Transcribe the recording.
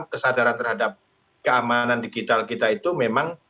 kesadaran terhadap keamanan digital kita itu memang